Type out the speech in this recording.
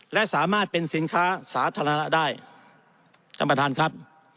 และสามารถเป็นสินค้าสาธารณะได้ท่านประธานครับ